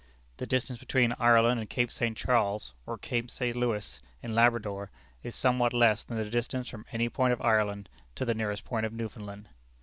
The distance between Ireland and Cape St. Charles, or Cape St. Lewis, in Labrador, is somewhat less than the distance from any point of Ireland to the nearest point of Newfoundland.